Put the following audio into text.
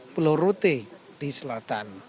pulau rote di selatan